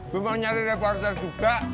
gue mau nyari reporter juga